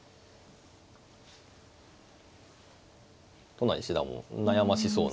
都成七段も悩ましそうな。